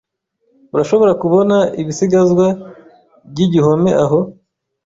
Urashobora kubona ibisigazwa by'igihome aho.